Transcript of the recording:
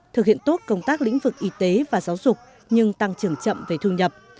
thực hiện tốt công tác lĩnh vực y tế và giáo dục nhưng tăng trưởng chậm về thu nhập